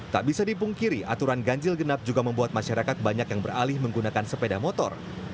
tak bisa dipungkiri aturan ganjil genap juga membuat masyarakat banyak yang beralih menggunakan sepeda motor